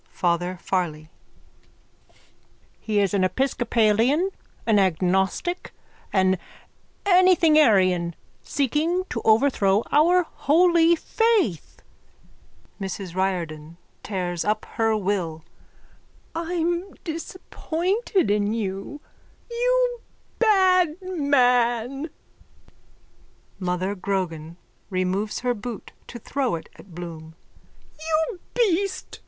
_ FATHER FARLEY: He is an episcopalian, an agnostic, an anythingarian seeking to overthrow our holy faith. MRS RIORDAN: (Tears up her will.) I'm disappointed in you! You bad man! MOTHER GROGAN: (Removes her boot to throw it at Bloom.) You beast!